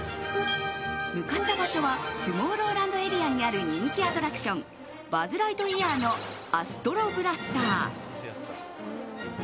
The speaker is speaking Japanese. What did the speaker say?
向かった場所はトゥモローランドエリアにある人気アトラクションバズ・ライトイヤーのアストロブラスター。